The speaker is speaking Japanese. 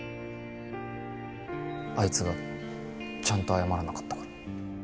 あいつがちゃんと謝らなかったから。